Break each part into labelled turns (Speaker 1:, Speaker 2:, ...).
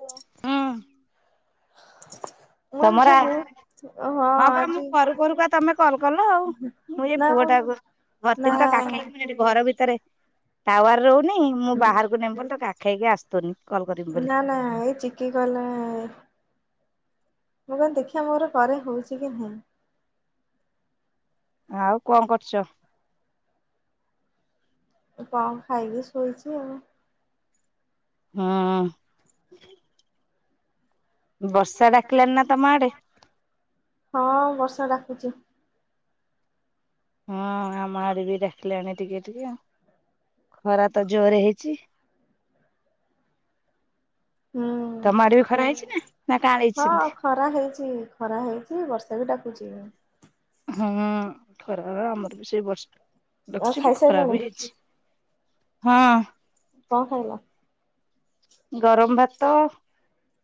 Speaker 1: ହ ହଁ
Speaker 2: ତମର ହଁ ବା ମୁଁ
Speaker 1: ଆଜି
Speaker 2: ଘରୁ କର ବା ତମେ କଲ କଲ ଆଉ। ମୁଁ ଏ
Speaker 1: ନା
Speaker 2: ପୁଅଟାକୁ
Speaker 1: ନା
Speaker 2: ଭର୍ତିନ ତ କାଖେଇଣି ଘର ଭିତରେ। ଟାୱାର ରହୁନି ମୁଁ ବାହାରକୁ ନେବି ବୋଲି ତା କାଖେଇଇକି ଆସଥୁନି।
Speaker 1: ନା ନା ଏ ଚିକି କଲା ନା। ମୁଁ କଇଲି ଦେଖିବା ମୋର କରେ ହଉଛି କି ନହିଁ ।
Speaker 2: ଆଉ କଣ କରୁଛ ।
Speaker 1: ଏ କଁ ଖାଇକି ଶୋଇଛି ଆଉ ‌।
Speaker 2: ହଁ । ବର୍ଷା ଡାକିଲାଣି ନା ତମ ଆଡେ ।
Speaker 1: ହଁ ବର୍ଷା ଡାକୁଚି ।
Speaker 2: ହୁଁ ଆମ ଆଡେ ବି ଡାକିଲାଣି ଟିକେ ଟିକେ ଆଉ ‌ ଖରା ତ ଜୋରେ ହେଇଚି ।
Speaker 1: ହୁଁ
Speaker 2: ତମ ଆଡେ ବି ଖରା ହେଇଛି ନା ।
Speaker 1: ହଁ ଖରା ହେଇଛି ଖରା ହେଇଛି ବର୍ଷା ବି ଡାକୁଛି ।
Speaker 2: ହୁଁ ଖରା ଆମର ବି ସେଇ ବର୍ଷା ଡାକୁଛି ବି ଖରା
Speaker 1: ଖାଇସାରିଲଣି
Speaker 2: ବି ହେଇଛି । ହଁ ।
Speaker 1: କଁ ଖାଇିଲ ।
Speaker 2: ଗରମ ଭାତ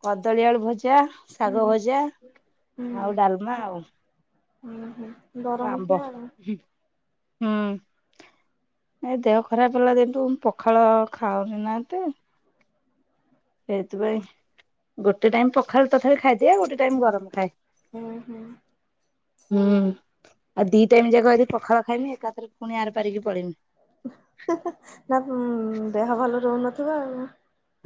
Speaker 2: କଦଳୀ ଆଳୁ ଭଜା । ଭଜା ଶାଗ
Speaker 1: ହୁଁ
Speaker 2: ଭଜା ଆଉ ଡାଲମା ଆଉ।
Speaker 1: ଉଁ ହୁଁ ।
Speaker 2: ଆମ୍ବ ହୁଁ ହୁଁ । ନାଇ ଦେହ ଖରାପ ହେଲା ଦିନଠୁ ମୁଁ ପଖାଳ ଖାଉନି ନା ଏତେ । ସେଇଥିପାଇଁ ଗୋଟେ ଟାଇମ ପଖାଳ ତଥାପି ଖାଇଦିଏ ଗୋଟେ ଟାଇମ ଗରମ ଖାଏ ।
Speaker 1: ହୁଁ ହୁଁ ।
Speaker 2: ହୁଁ ଆଉ ଦି ଟାଇମ ଯାକ ଆଜି ପଖାଳ ଖାଇମି ଏକାଥରେ ପୁଣି ଆର ପାରିକି ପଳେଇମି ।
Speaker 1: ହେଁ ହେଁ ନା ଦେହ ଭଲ ରହୁନଥିବ ଆଉ ।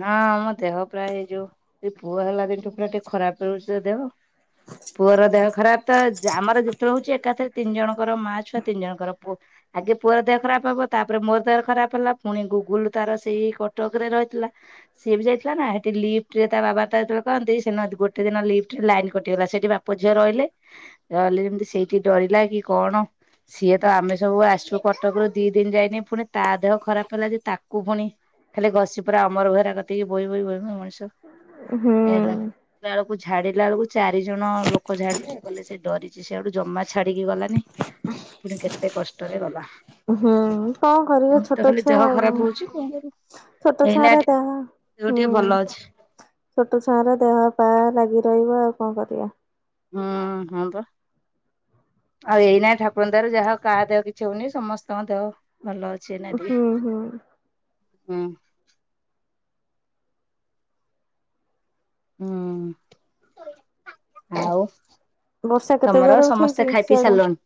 Speaker 2: ହଁ ମୋ ଦେହ ପ୍ରାୟ ଏଇଯୋଉ ଏ ପୁଅ ହେଲା ଦିନଠୁ ପୁରା ଟିକେ ଖରାପ ରହୁଛି ଦେହ । ପୁଅର ଦେହ ଖରାପ ତ ଯା ଆମର ଯେତେ ବେଳେ ହଉଛି ଏକାଥରେ ତିନି ଜଣ । ଙ୍କର ମା ଛୁଆ ତିନି ଜଣଙ୍କର ପୁଅ। ଆଗେ ପୁଅର ଦେହ ଖରାପ ହବ ତାପରେ ମୋର ଦେହ ଖରାପ ହେଲା ପୁଣି ଗୁଗୁଲ ତାର ସେଇ କଟକ ରେ ରହିଥିଲା । ସିଏ ବି ଯାଇଥିଲା ନା ହେଟି ଲିଫଟରେ ତା ବାବା ତାକୁ ଯେତେ ବେଳେ କହନ୍ତି ସେଦିନ ଗୋଟେ ଦିନ ଲିଫଟରେ ଲାଇନ କଟିଗଲା ସେ ସେଇଠି ବାପ ଝିଅ ରହିଲେ ରହିଲେ ଯେମତି ସେଇଠି ଡରିଲା କି କଣ । ସିଏ ତ ଆମେ ସବୁ ଆସିଛୁ କଟକରୁ ଦି ଦିନ ଯାଇନି ପୁଣି ତା ଦେହ ଖରାପ ହେଲା ଯେ ତାକୁ ପୁଣି । ଖାଲି ଘସିି ପୁରା ଅମର ବେହେରା କତିକି ବୋହି ବୋହି ବୋହି ବୋହି ମଣିଷ ।
Speaker 1: ହୁଁ ।
Speaker 2: ଝାଡିଲା ବେଳକୁ ଚାରି ଜଣ ଲୋକ ଝାଡିଲେ କଇଲେ ସେ ଡରିଛି ସିଆଡୁ ଜମା ଛାଡି କି ଗଲାନି। ପୁଣି କେତେ କଷ୍ଟରେ ଗଲା ।
Speaker 1: ହୁଁ କଣ କରିବ ଛୋଟ ଛୁଆ
Speaker 2: ଦେହ
Speaker 1: ଆଉ
Speaker 2: ଖରାପ ହଉଛି କଣ କରିବୁ
Speaker 1: ଛୋଟ
Speaker 2: ଏଇନା
Speaker 1: ଛୁଆଗୁରା ତ
Speaker 2: ଟିକେ
Speaker 1: ।
Speaker 2: ଦେହ ଟିକେ
Speaker 1: ହୁଁ
Speaker 2: ଭଲ ଅଛି
Speaker 1: ଛୋଟ ଛୁଆଗୁରା ଦେହ ପା ଲାଗି ରହିବ ଆଉ। କଣ କରିବା ।
Speaker 2: ହୁଁ ହଁପା । ଆଉ ଏଇନା ଠାକୁରଙ୍କର ଦୟାରୁ ଯା ହଉ କାହା ଦେହ କିଛି ହଉନି ସମସ୍ତଙ୍କ ଦେହ । ଭଲ ଅଛି ଏଇନା
Speaker 1: ହୁଁ
Speaker 2: ଟିକେ
Speaker 1: ହୁଁ
Speaker 2: ହୁଁ । ହୁଁ ଆଉ ।
Speaker 1: ବର୍ଷା କେତେ ଜୋରେ ଉଠେଇଚି ସିଆଡେ।
Speaker 2: ସାରିଲଣି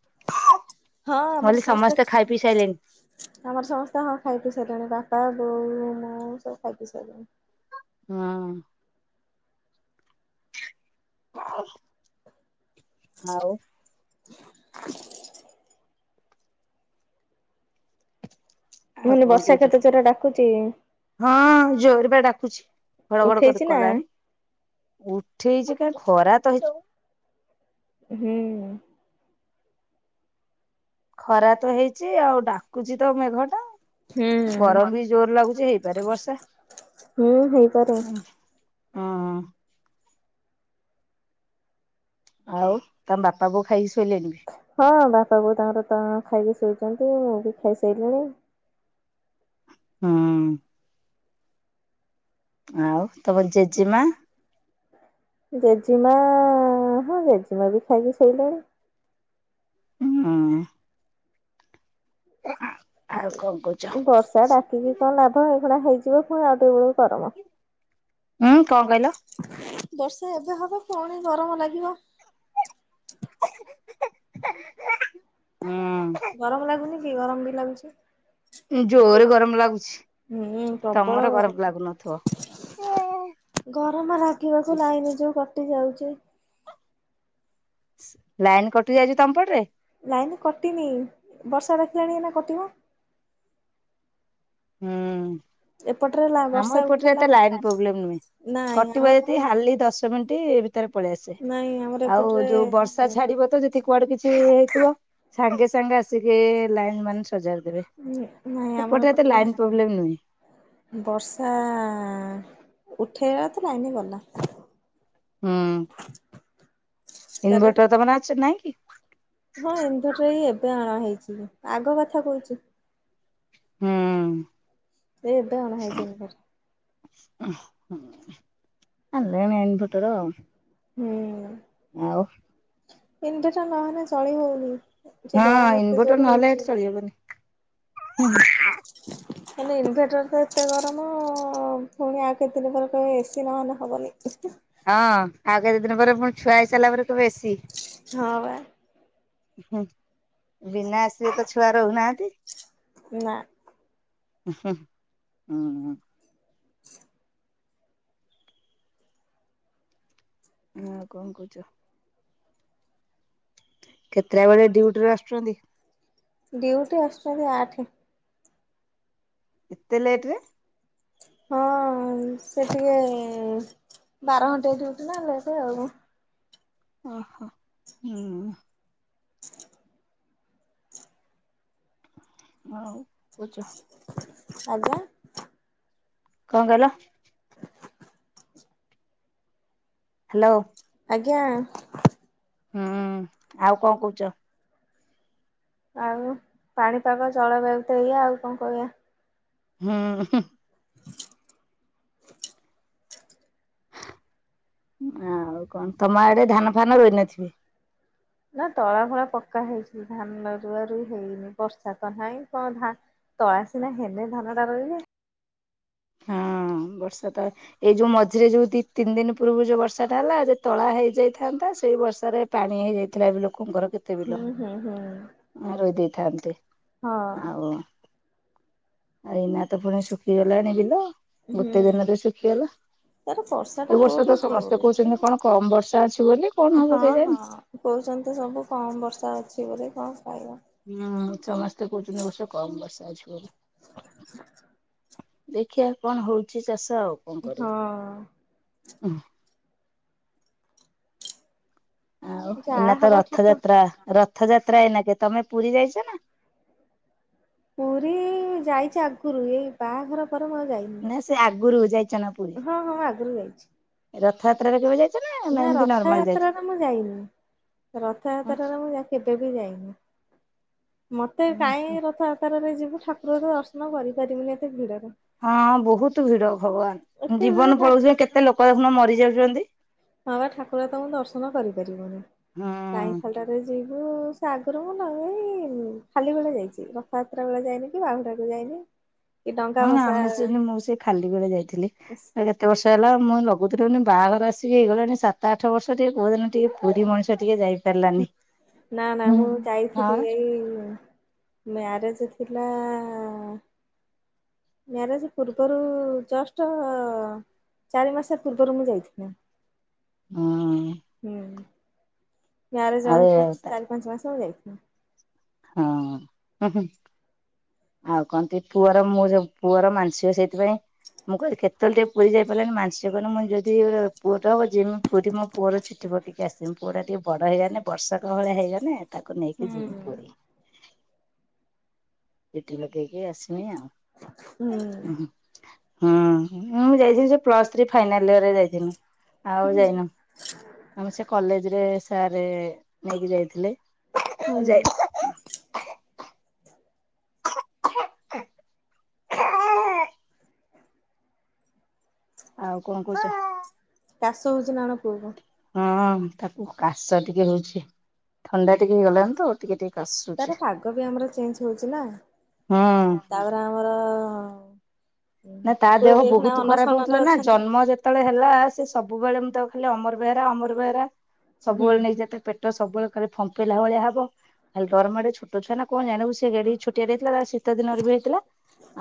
Speaker 1: ହଁ
Speaker 2: ମୁଁ
Speaker 1: ଆମର
Speaker 2: କହିଲି
Speaker 1: ସମସ୍ତେ
Speaker 2: ଖାଇ ପିଇ ସାଇଲେଣି
Speaker 1: । ଆମର ସମସ୍ତେ ହଁ ଖାଇ ପି ସାଇଲେଣି ବାପା ବୋଉ । ଆଉ ସବୁ ଖାଇ ପିଇ ସାଇଲେଣି।
Speaker 2: ହୁଁ । ଆଉ ।
Speaker 1: ମୁଁ କଇଲି
Speaker 2: କଣ
Speaker 1: ବର୍ଷା
Speaker 2: କହୁଛ
Speaker 1: କେତେ ଜୋର ରେ ରେ ଡାକୁଚି
Speaker 2: ହଁ ଜୋରେ ବା ଡାକୁଛି ଘଡଘଡ କରି
Speaker 1: ଉଠେଇଛି ନା
Speaker 2: କଲାଣି। ଉଠେଇଛି କାଁଇ ଖରା ତ ହେଇ ।
Speaker 1: ହୁଁ।
Speaker 2: ଖରା ତ ହେଇଛି ଆଉ ଡାକୁଛି ତ ମେଘ ଟା
Speaker 1: ହୁଁ।
Speaker 2: ଗରମ ବି ଜୋର ଲାଗୁଛି ହେଇପାରେ ବର୍ଷା।
Speaker 1: ହୁଁ ହେଇପାରେ।
Speaker 2: ହଁ। ଆଉ ତମ ବାପା ବୋଉ ଖାଇସ୍
Speaker 1: ହଁ ବାପା ବୋଉ ତାଙ୍କର ତ ଖାଇକି ଶୋଇଛନ୍ତି ମୁଁ ବି ଖାଇସାରିଲିଣି।
Speaker 2: ହୁଁ। ଆଉ ତମ ଜେଜେମା
Speaker 1: ଜେଜେମା ହଁ ଜେଜେମା ବି ଖାଇକି ଶୋଇଲେଣି।
Speaker 2: ହୁଁ। [inaudible] କଣ କହୁଛ?
Speaker 1: ବର୍ଷା ଡାକିକି କଣ ଲାଭ ଏଇଖିଣା ହେଇଯିବ ପୁଣି ଆଉଟିକେ ବେଳକୁ ଗରମ।
Speaker 2: ହୁଁ କଣ କହିଲ?
Speaker 1: ବର୍ଷା ଏବେ ହବ ପୁଣି ଗରମ ଲାଗିବ।
Speaker 2: [inaudible]
Speaker 1: ଗରମ ଲାଗୁନି କି ଗରମ ବି ଲାଗୁଛି।
Speaker 2: ଜୋରେ ଗରମ ଲାଗୁଛି
Speaker 1: ହୁଁ
Speaker 2: ତମର
Speaker 1: ପ୍ରବଳ ବ
Speaker 2: ଗରମ ଲାଗୁନଥିବ।
Speaker 1: ଗରମ ଲାଗିବାକୁ ଲାଇନ ଯୋଉ କଟି ଯାଉଛି।
Speaker 2: ଲାଇନ କଟି ଯାଇଛି ତମପଟେ?
Speaker 1: ଲାଇନ୍ କଟିନି ବର୍ଷା ରଖିଲାଣି ଏଇନା କଟିବ।
Speaker 2: ହୁଁ।
Speaker 1: ଏପଟରେ ଲା
Speaker 2: ଆମ
Speaker 1: ବର୍ଷା
Speaker 2: ଏପଟରେ
Speaker 1: ଉଠେଇଲା
Speaker 2: ଏତେ ଲାଇନ ପ୍ରୋବ୍ଲେମ ନୁହେଁ
Speaker 1: ନାଇଁ
Speaker 2: କଟିବ
Speaker 1: ଆମର
Speaker 2: ଯଦି ଖାଲି ଦଶ ମିନିଟ୍ ପଳେଇ ଆସେ
Speaker 1: ନାଇଁ ଆମର
Speaker 2: ।ଆଉ
Speaker 1: ଏପଟରେ
Speaker 2: ଯୋଉ ବର୍ଷା ଛାଡିବ ତ ଯଦି କୁଆଡେ କିଛି ହେଇଥିବ । ସାଙ୍ଗେ ସାଙ୍ଗେ ଆସିକି ଲାଇନ ମାନ୍ ସଜାଡିଦେବେ।
Speaker 1: ନାଇଁ
Speaker 2: ଏପଟେ ଏତେ ଲାଇନ ପ୍ରୋବ୍ଲେମ ନୁହେଁ।
Speaker 1: [unintelligible] ବର୍ଷା ଉଠେଇଲା ତ ଲାଇନି ଗଲା।
Speaker 2: ହୁଁ
Speaker 1: ତାର
Speaker 2: ଇନଭଟର ତମର ଅଛି ନାଇଁ କି?
Speaker 1: ହଁ ଇନଭର୍ଟର ଏଇ ଏବେ ଅଣା ଆଗ କଥା କହୁଛୁ।
Speaker 2: ହୁଁ।
Speaker 1: ଏ ଏଦା ଅଣା ହାଇଜେନିକ
Speaker 2: [unintelligible]
Speaker 1: ହୁଁ।
Speaker 2: ଆଉ
Speaker 1: [unintelligible] ନହେଲେ ଚଳି ହଉନି। ସେ
Speaker 2: ହଁ
Speaker 1: ଗରମ ଏତେ
Speaker 2: ଇନଭଟର
Speaker 1: ଜୋରେ
Speaker 2: ନହେଲେ ଏଠି
Speaker 1: ହଉଛି।
Speaker 2: ଚଳିହବନି।
Speaker 1: ହେଲେ ଇନଭେଟର ତ ଏତେ ଗରମ ପୁଣି ଆଉ କେତେ ଦିନ ପରେ କହିବେ ଏସି ନହେଲେ ହବନି।
Speaker 2: ହଁ ଆଉ କେତେ ଦିନ ପରେ ପୁଣି ଛୁଆ ହେଇସାରିଲା ପରେ କହିବେ ଏସି।
Speaker 1: ହଁ ବା।
Speaker 2: ହୁଁ। ବିନା ଏସି ରେ ତ ଛୁଆ ରହୁନାହାନ୍ତି।
Speaker 1: ନା।
Speaker 2: ହୁଁ। ହଁ ।ଆଉ କଣ କହୁଛ? କେତେଟା ବେଳେ ଡ୍ୟୁଟିରୁ ଆସୁଛନ୍ତି
Speaker 1: ଡ୍ୟୁଟି ଆସୁଛନ୍ତି ଆଠେ।
Speaker 2: ଏତେ ଲେଟ୍ ରେ।
Speaker 1: ହଁ ସେ ଟିକେ ବାର ଘଣ୍ଟା ଡଉଟି ନା ଲେଟ୍ ଆଉ।
Speaker 2: ଓହୋ ହୁଁ। ଆଉ [unintelligible]
Speaker 1: ଆଜ୍ଞା
Speaker 2: କଣ କଇଲ? ହ୍ୟାଲୋ!
Speaker 1: ଆଜ୍ଞା।
Speaker 2: ହୁଁ, ଆଉ କଣ କହୁଛ?
Speaker 1: ଆଉ, ପାଣିପାଗ ଜଳବାୟୁ ତ ଏଇଆଉ କଣ କଇଆ?
Speaker 2: ହୁଁ। ଉଁହୁ। ଆଉ, କଣ ତମ ଆଡେ ଧାନ ଫାନ ରୋଇନଥିବେ?
Speaker 1: ନା ତଳା ଫଳା ପକ୍କା ହେଇଛି। ଧାନ ରୁଆରୁଇ ହେଇନି। ବର୍ଷା ତ ନାହିଁ କଣ ଧା ତଳା ସିନା ହେଲେ, ଧାନଟା ରୋଇବୁ! [inaudible]
Speaker 2: ହଁ, ବର୍ଷା ତ ଏଇ ଯୋଉ ମଝିରେ ଯୋଉ ଦି ତିନି ଦିନ ପୂର୍ବରୁ ଯୋଉ ବର୍ଷାଟା ହେଲା, ଯେ ତଳା ହେଇଯାଇଥାନ୍ତା ସେଇ ବର୍ଷାରେ ପାଣି ହେଇଯାଇଥିଲା ବି ଲୋକଙ୍କର କେତେ
Speaker 1: ହୁଁ
Speaker 2: ବିଲ?
Speaker 1: ହୁଁ ହୁଁ
Speaker 2: ରୋଇ ଦେଇଥାନ୍ତେ।
Speaker 1: ହଁ।
Speaker 2: ଆ ଏଇନା ତ ପୁଣି ଶୁଖିଗଲାଣି ବିଲ! ଗୋଟେ
Speaker 1: ହୁଁ
Speaker 2: ଦିନରେ ଶୁଖିଗଲା।
Speaker 1: ତାର ବର୍ଷା ଟା
Speaker 2: ଏ ବର୍ଷ
Speaker 1: କୋଉଠି
Speaker 2: ତ ସମସ୍ତେ
Speaker 1: ହଉଛି
Speaker 2: କହୁଛନ୍ତି, କଣ କମ୍ ବର୍ଷା ଅଛି ବୋଲି! କଣ ହବ କେ ଜାଣି?
Speaker 1: ଚନ୍ତି, ସବୁ କମ୍ ବର୍ଷା ଅଛି ବୋଲି କଣ? କହିବ
Speaker 2: ହୁଁ, ସମସ୍ତେ କହୁଚନି, ଏ ବର୍ଷ କମ୍ ବର୍ଷା ଅଛି ବୋଲି? ଦେଖିଆ କଣ ହଉଛି ଚାଷ, ଆଉ କଣ କରିବୁ?
Speaker 1: ହଁ
Speaker 2: ଉ ହୁ, ଆଉ
Speaker 1: ଯାହା
Speaker 2: ଏଇନା ତ
Speaker 1: ହବ ଠାକୁର
Speaker 2: ରଥଯାତ୍ରା ରଥ୍ ରଥଯାତ୍ରା ଏଇନା କେ! ତମେ ପୁରୀ ଯାଇଛ ନା?
Speaker 1: ପୁରୀ ଯାଇଛି ଆଗରୁ, ଏଇ ବାହାଘର ପରେ ମୁଁ ଆଉ
Speaker 2: ନା,
Speaker 1: ଯାଇନି
Speaker 2: ସେ ଆଗରୁହୁ
Speaker 1: ହଁ, ହଁ ଆଗରୁ ଯାଇଛି।
Speaker 2: ଥତ୍ରା ରେ କେବେ ଯାଇଚି?
Speaker 1: ନା ରଥଯାତ୍ରାରେ ମୁଁ ଯାଇନି। ରଥଯାତ୍ରରେ ମୁଁ କେବେ ବି ଯାଇନି। ମତେ କାହିଁ ରଥଯାତ୍ରାରେ ଯିବୁ, ଠାକୁର ତ ଦର୍ଶନ କରିପାରିବିନି ଏତେ ଭିଡ
Speaker 2: ହଁ, ବହୁତ ଭିଡ଼ ଭଗବାନ!
Speaker 1: ଏତେ ଭିଡ
Speaker 2: ଜୀବନ
Speaker 1: ଠାକୁ
Speaker 2: ପଳଉଛି। କେତେ ଲୋକ ଦେଖୁନ ମରି ଯାଉଛନ୍ତି?
Speaker 1: ହଁବା, ଠାକୁର ତ ମୁଁ ଦର୍ଶନ କରିପାରିବୁନି।
Speaker 2: ହୁଁ
Speaker 1: କାଇଁ ଖାଲଟା ରେ ଯିବି? ମୁଁ, ସେ ଆଗରୁ ମୁଁ ନାଇଁ-ଇଁ ଖାଲି ବେଳେ ଯାଇଛି। ରଥଯାତ୍ରା ବେଳେ ଯାଇନି, କି ବାହୁଡାକୁ ବି ଯାଇନି? କି ଡଙ୍ଗା
Speaker 2: ହୁଁ,
Speaker 1: ଭସା
Speaker 2: ଆମେ ସେମତି ମୁଁ ସେ ଖାଲିବେଳେ ଯାଇଥିଲି। କେତେ ବର୍ଷ ହେଲାଆଉ ମୁଁ ଲଗଉଥିଲି ନି ବାହାଘର ଆସିକି ହେଇଗଲାଣି ସାତ ଆଠ ବର୍ଷ, ଟିକେ କୋଉଦିନ ଟିକେ ପୁରୀ ମଣିଷ ଟିକେ ଯାଇ
Speaker 1: ନା, ନା ମୁଁ
Speaker 2: ହଁ
Speaker 1: ଯାଇଥିଲି, ଏଇ ମ୍ୟାରେଜ ଥି ଥିଲା-ଆ-ଆ-ଆ ମ୍ୟାରେଜ ପୂର୍ବରୁ-ରୁ ଜଷ୍ଟ-ଅ ଚାରି ମାସ ପୂର୍ବରୁ ମୁଁ ଯାଇଥିନି।
Speaker 2: ହଁ।
Speaker 1: ହୁଁ। ମ୍ୟାରେଜ ଯଉ ହେଇଥିଲା,
Speaker 2: ଆଉ
Speaker 1: ଚାରି ପାଞ୍ଚ ମାସ ମୁଁ ଯାଇଥିନି।
Speaker 2: ହଁ ହୁ, ହୁ। ଆଉ କହନ୍ତି, ପୁଅର ମୁଁ ଯୋ ପୁଅର ମାନସିକ ସେଇଥିପାଇଁ, ମୁଁ କହିଲି କେ ଏତେ ବେଳେ ଟିକେ ପୁରୀ ଯାଇପାରଲେନି, ମାନସିକ କରିନି ମୁଁ ଯଦି-ଇ ପୁଅଟେ ହବ ଯିମି ପୁରୀ ମୋ ପୁଅର ଚୁଟି ପକେଇକି ଆସିମି। ପୁଅ ଟା ଟିଏ ବଡ ହେଇଗନେ, ବର୍ଷକ ଭଳିଆ ହେଇଗନେ, ତାକୁ ନେଇକି ଯିମି
Speaker 1: ହୁଁ।
Speaker 2: ପୁରୀ। ଚୁଟି ଲଗେଇକି ଆସମି ଆଉ।
Speaker 1: ହୁଁ
Speaker 2: ହଁ, ହଁ, ମୁଁ ଯାଇଥିଲି ସେ ପ୍ଲସ୍ ଥ୍ରୀ ଫାଇନାଲ୍ ଇୟରେ ଯାଇଥିନି। ଆଉ ଯାଇନୁ। ଆମ ସେ କଲେଜ ରେ ସାର୍ ନେଇକି ଯାଇଥିଲେ। ଆଉ
Speaker 1: ହୁଁ।
Speaker 2: ଯାଇ [inaudible] ଆଉ କଣ କହୁଛ?
Speaker 1: କାଶ ହଉଛି ନା ଅଣ ପୁଅ କୁ?
Speaker 2: ହଁ ତାକୁ କାଶ ଟିକେ ହଉଛି ଥଣ୍ଡା ଟିକେ ହେଇଗଲାଣି ତ ଟିକେ ଟିକେ କାଶୁଛି
Speaker 1: ତାର ପାଗ ବି ଆମର ଚେଞ୍ଜ ହଉଛି ନା
Speaker 2: ହୁଁ।
Speaker 1: ତାପରେ ଆମର। ହଉ।
Speaker 2: ନା ତା ଦେହ ବହୁତ ଖରାପ ହଉଥିଲା ନା
Speaker 1: ଅଛନ୍ତି।
Speaker 2: ଜନ୍ମ ଯେତେବେଳେ ହେଲା ସେ। ସବୁବେଳେ ମୁଁ ତ ଖାଲି ଅମର ବେହେରା ଅମର ବେହେରା
Speaker 1: ହୁଁ
Speaker 2: ସବୁବେଳେ ନେଇଯେ ପେଟ ସବୁବେଳେ ଫମ୍ପେଇଲା ଭଳିଆ ହବ ଖାଲି ଡରମାଡ଼େ ଛୋଟ ଛୁଆ ନା। କଣ ଜାଣିବୁ ସେ ଗାଡି ଛୋଟିଆରେ ହେଇଥିଲା ତା ଶୀତ ଦିନରେ ବି ହେଇଥିଲା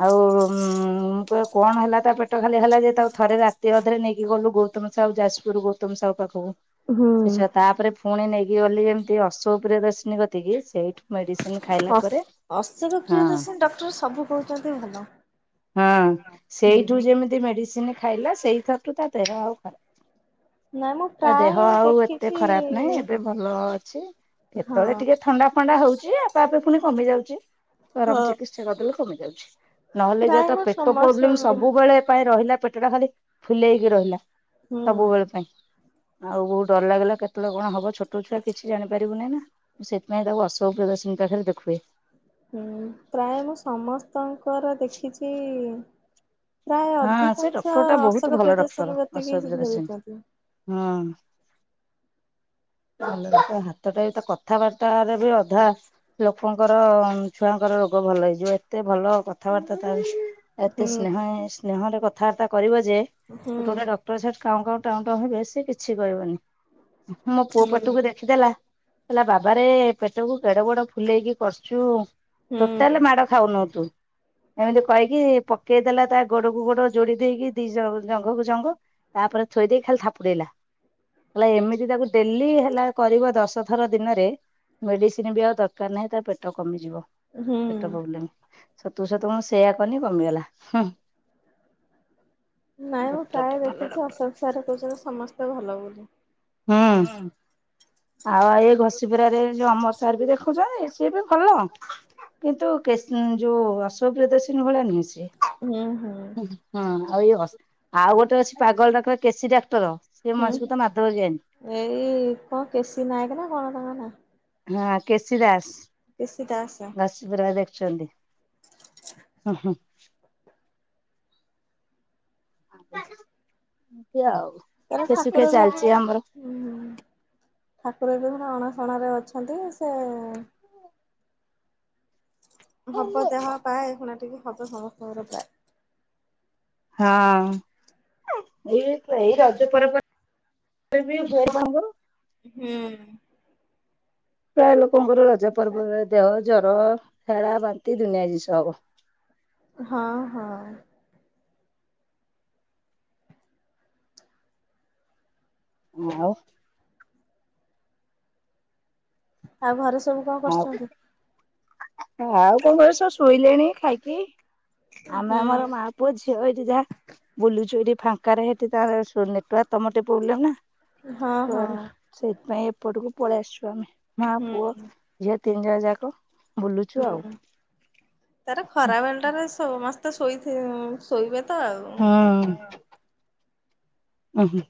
Speaker 2: ଆଉ। କଣ ହେଲା ତା ପେଟ ଖାଲି ହେଲା ଯେ ତା ଥରେ ରାତି ଅଧରେ ନେଇକି ଗଲୁ ଗୌତମ ସାହୁ ଯାଜପୁର ଗୌତମ ସାହୁ ପାଖକୁ
Speaker 1: ହୁଁ
Speaker 2: ସେ ତାପରେ ପୁଣି ନେଇକି ଗଲି ଯେମିତି ଅଶୋକପ୍ରିୟ ଦର୍ଶିନୀ କତିକି ସେଇଠୁ। ମେଡିସିନ ଖାଇଲା ପରେ
Speaker 1: ଅଶବ
Speaker 2: ହଁ
Speaker 1: ପ୍ରିୟ ଦର୍ଶ ଡକ୍ଟର ସବୁ କହୁଛନ୍ତି ଭଲ।
Speaker 2: ହଁ
Speaker 1: ହୁଁ
Speaker 2: ସେଇଠୁ ଯେମିତି ମେଡିସିନ ଖାଇଲା ସେଇଥରଠୁ ତା ଦେହ ଆଉ ଖରାପ
Speaker 1: ନାଇଁ ମୁଁ
Speaker 2: ତା
Speaker 1: ପ୍ରାୟ
Speaker 2: ଦେହ ଆଉ ଏତେ
Speaker 1: ଦେଖିଛି
Speaker 2: ଖରାପ ନାହିଁ ଏବେ ଭଲ ଅଛି।
Speaker 1: ହଁ
Speaker 2: କେତେବେଳେ ଟିକେ ଥଣ୍ଡା ଫଣ୍ଡା ହଉଛି ଆଉ ତା ପୁଣି କମି ଯାଉଛି ତ ଆମ
Speaker 1: ହଁ
Speaker 2: ଚିକିତ୍ସା କରିଦେଲେ କମି ଯାଉଛି ନହେଲେ ଯାହା
Speaker 1: ପ୍ରାୟ
Speaker 2: ତାର
Speaker 1: ମୁଁ
Speaker 2: ପେଟ। ତୋ
Speaker 1: ସମସ୍ତ
Speaker 2: ପ୍ରୋବ୍ଲେମ ସବୁବେଳେ ପାଇଁ ରହିଲା ପେଟଟା ଖାଲି ଫୁଲେଇକି ରହିଲା।
Speaker 1: ହୁଁ
Speaker 2: ସବୁବେଳେ ପାଇଁ। ଆଉ ବୋଉ ଡର ଲାଗିଲା କେତେବେଳେ କଣ ହବ ଛୋଟ ଛୁଆ କିଛି ଜାଣିପାରିବୁନିଁ ନା ସେଥିପାଇଁ ତାକୁ ଅସବ ବ୍ଯବସ୍ ଚିଙ୍କା ଖେ ଦେଖୁେ।
Speaker 1: ହୁଁ ପ୍ରାୟ ମୁଁ ସମସ୍ତଙ୍କର ଦେଖିଛି। ପ୍ରାୟ
Speaker 2: ହଁ ସେ
Speaker 1: ଅଧିକାଂଶ
Speaker 2: ଡକ୍ଟର ଟା
Speaker 1: ଅଶୋକ
Speaker 2: ବହୁତ ଭଲ
Speaker 1: ପ୍ରିୟଦର୍ଶିନୀ
Speaker 2: ଡକ୍ଟର
Speaker 1: କତିକି
Speaker 2: ଅସୁବିଧାସିନ। ହଁ।
Speaker 1: କିଛି କହି ନାହାନ୍ତି।
Speaker 2: ହାତଟା ବି ତ କଥାବାର୍ତ୍ତା ରେ ବି ଅଧା ଲୋକଙ୍କର ଛୁଆ। ରୋଗ ଭଲ ହେଇଯିବ ଏତେ ଭଲ କଥାବାର୍ତ୍ତା ତ ଏତେ
Speaker 1: ହୁଁ
Speaker 2: ସ୍ନେହ ସ୍ନେହରେ କଥାବାର୍ତ୍ତା କରିବ ଯେ
Speaker 1: ହୁଁ
Speaker 2: ଗୋଟେ ଗୋଟେ ଡକ୍ଟର ସେଠି କାଉଁକାଉଁ ଟାଉଁ ଟାଉଁ ହେବେ ସେ କିଛି କହିବନି ମୋ ପୁଅ
Speaker 1: ହୁଁ
Speaker 2: ପଟକୁ ଦେଖିଦେଲା। ହେଲା ବାବାରେରେ ପେଟକୁ କେଡେ ବଡ ଫୁଲେଇକି ବସିଛୁ।
Speaker 1: ହୁଁ
Speaker 2: ଟୋଟାଲ ମାଡ ଖାଉନୁ ତୁ ଏମିତି କହିକି ପକେଇଦେଲା ତା ଗୋଡ କ ଗୋଡ ଯୋଡି ଦେଇକି ଦି ଜଙ୍ଘକୁ ଜଙ୍ଘ ତାପରେ ଥୋଇ ଦେଇ ଖାଲି ଥାପୁଡେଇଲା। ହେଲେ ଏମିତି ତାକୁ ଦେଲି। ମେଡିସିନ୍‌ ବି ଆଉ ଦରକାର ନାହିଁ ତା ପେଟ କମିଯିବ।
Speaker 1: ହୁଁ।
Speaker 2: ପେଟ ପ୍ରବଲମ୍ମ ସତୁ ସତୁ ମୁଁ ସେଇୟଆ କନି କମିଗଲା।
Speaker 1: ନାଇଁ ମୁଁ
Speaker 2: ଡକ୍ଟରଟେ
Speaker 1: ପ୍ରାୟ
Speaker 2: ଭଲ
Speaker 1: ଦେଖୁଛି
Speaker 2: ଡକ୍ଟର।
Speaker 1: ଅଶୋକସାର୍‌ କହୁଛନ୍ତି ସମସ୍ତେ ଭଲ ବୋଲି।
Speaker 2: ହୁଁ
Speaker 1: ହଁ।
Speaker 2: ଆଉ ଏଇ ଘଷିପୁରରେ ଯୋଉ ଅମରସର ବି ଦେଖୁଛନ୍ତି ସି ବି ଭଲ। କିନ୍ତୁ ଯୋଉ ଅର୍ଶ୍ଵ ପ୍ରଦର୍ଶନୀ ଭଳି ନୁହେଁ ସିଏ।
Speaker 1: ହୁଁ ହୁଁ।
Speaker 2: ହଁ ଆଉ ଇଏ ଆଉ ଗୋଟେ ଅଛି ପାଗଳଡାକ୍ତର କେଶୀ ଡାକ୍ତର। ସେ
Speaker 1: ହୁଁ
Speaker 2: ମଣିଷକୁ ତ ମାଧବ ଯିଆନି
Speaker 1: ଏଇ କଣ କେଶୀ ନାୟକ ନା କଣ ତାଙ୍କ ନା?
Speaker 2: ହଁ କେଶୀ ଦାସ୍।
Speaker 1: କେଶୀ ଦାସ୍।
Speaker 2: ଚଲି ହୁଁ ହୁଁ। ଏମିତି ଆଉ।
Speaker 1: ଆରେ
Speaker 2: ସୁଖେ ସୁଖେ
Speaker 1: ଠାକୁର ବି
Speaker 2: ଚାଲିଛି ଆମର
Speaker 1: କଣ ହୁଁ। ଠାକୁର ଯେ ଅଣାସଣାରେ ଅଛନ୍ତି ସେଏଁ ହବ ଦେହ ପ୍ରାୟ ଶୁଣା ଟିକେ ହବ ସମସ୍ତଙ୍କର ପ୍ରାୟ।
Speaker 2: ହଁ। ଏଇ ରଜ ପର୍ବ ବି ବହୁ ଭାବ।
Speaker 1: ହୁଁ।
Speaker 2: ପ୍ରାୟ ଲୋକଙ୍କର ରଜ ପର୍ବ ଦେହ ଜ୍ୱର। ଝାଡ଼ା ବାନ୍ତି ଦୁନିଆ ଜିନିଷ ହେବ
Speaker 1: ହଁ ହଁ
Speaker 2: ଆଉ
Speaker 1: ଆଉ ଘରେ ସବୁ କଣ
Speaker 2: ଆଉ
Speaker 1: କରୁଛନ୍ତି
Speaker 2: ଆଉ କଣ ସବୁ ଶୋଇଲେଣି ଖାଇକି ଆମେ
Speaker 1: ହୁଁ।
Speaker 2: ଆମର ମା ପୁଅ ଅଛି ଏଠି ଯା ବୁଲୁଛୁ ଫାଙ୍କା ହେଠି ତାର ସୋଲ୍ଲନେଟ୍‌ ୱ। ରକ୍ ତମ ଟେ ପ୍ରୋବ୍ଲେ ନା
Speaker 1: ହଁ
Speaker 2: କ
Speaker 1: ହଁ।
Speaker 2: ସେଇଥିପାଇଁ ଏପଟକୁ ପଳେଇ ଆସିଛୁ ଆମେ ମା
Speaker 1: ହୁଁ
Speaker 2: ପୁଅ ଯେ ତିନି ଜଣ ଯାକ ବୁଲୁଛୁ
Speaker 1: ହୁଁ ତାର ଖରା ବେଳ ଟାରେ ସମସ୍ତେ ଶୋଇବେ ତ ଆଉ।
Speaker 2: ହଁ ଉଁହୁଁ।